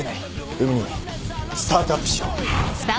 海兄スタートアップしよう。